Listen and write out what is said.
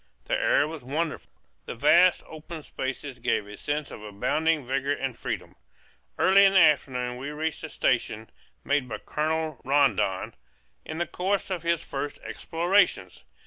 The air was wonderful; the vast open spaces gave a sense of abounding vigor and freedom. Early in the afternoon we reached a station made by Colonel Rondon in the course of his first explorations.